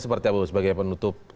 seperti apa sebagai penutup